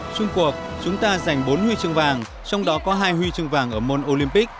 trung cuộc chúng ta giành bốn huy chương vàng trong đó có hai huy chương vàng ở môn olympic